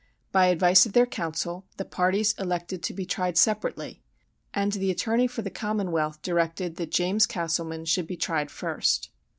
By advice of their counsel, the parties elected to be tried separately, and the attorney for the commonwealth directed that James Castleman should be tried first.